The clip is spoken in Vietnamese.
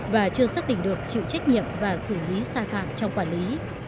và chưa xác định được chịu trách nhiệm và xử lý xa khoảng trong quản lý